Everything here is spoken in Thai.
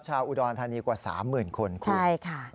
ชาวอุดรธานีกว่า๓๐๐๐คนคุณใช่ค่ะ